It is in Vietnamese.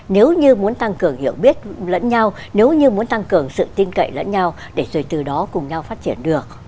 nếu như muốn tăng cường hiểu biết lẫn nhau nếu như muốn tăng cường sự tin cậy lẫn nhau để rồi từ đó cùng nhau phát triển được